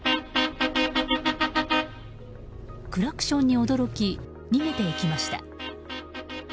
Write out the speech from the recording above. クラクションに驚き逃げていきました。